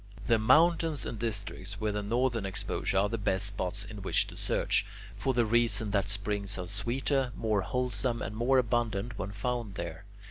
The mountains and districts with a northern exposure are the best spots in which to search, for the reason that springs are sweeter, more wholesome, and more abundant when found there.